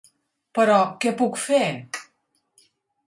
Però què puc fer?